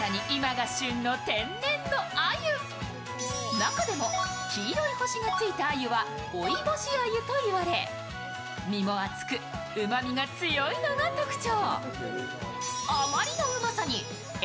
中でも黄色い星がついた鮎は追い星鮎と呼ばれ身も厚くうまみも強いのが特徴。